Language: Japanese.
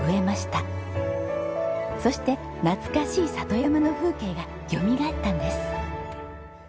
そして懐かしい里山の風景がよみがえったんです。